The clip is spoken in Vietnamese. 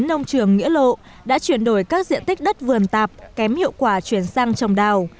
nông trường nghĩa lộ đã chuyển đổi các diện tích đất vườn tạp kém hiệu quả chuyển sang trồng đào